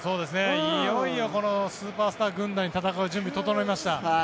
いよいよスーパースター軍団と戦う準備が整いました。